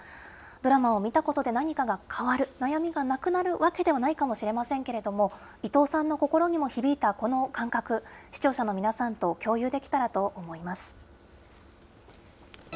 ドラマを見たことで何かが変わる、悩みがなくなるわけではないかもしれませんけれども、伊藤さんの心にも響いたこの感覚、視聴者の皆さんと共有できたらと思います。